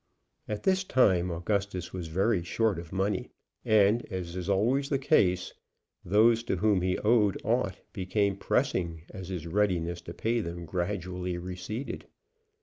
At this time, Augustus was very short of money and, as is always the case, those to whom he owed aught became pressing as his readiness to pay them gradually receded.